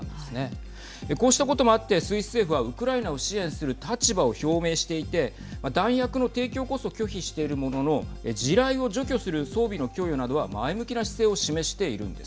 こうしたこともあってスイス政府はウクライナを支援する立場を表明していて弾薬の提供こそ拒否しているものの地雷を除去する装備の供与などは前向きな姿勢を示しているんです。